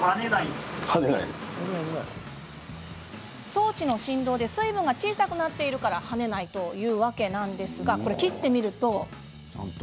装置の振動で水分が小さくなっているから跳ねないというわけなんですが切ってみると？